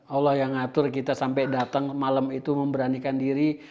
allah yang ngatur kita sampai datang malam itu memberanikan diri